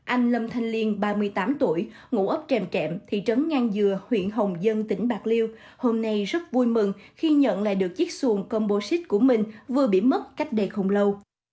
anh lâm thanh liên ba mươi tám tuổi ngủ ấp kèm kèm thị trấn ngang dừa huyện hồng dân tỉnh bạc liêu hôm nay rất vui mừng khi nhận lại được chiếc xùn combo xít của mình vừa bị mất cách đây không lâu